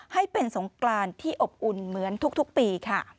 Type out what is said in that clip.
ให้เป็นสงกรานที่อบอุ่นเหมือนทุกปีค่ะ